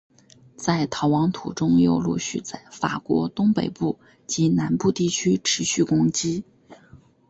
在逃亡途中又陆续在法国东北部及南部地区持续攻击。